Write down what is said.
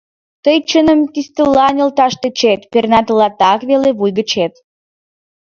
Тый чыным тистыла нӧлташ тӧчет — перна тылатак веле вуй гычет.